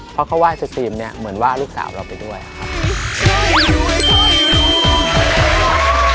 เพราะเขาไห้สตรีมเนี่ยเหมือนว่าลูกสาวเราไปด้วยครับ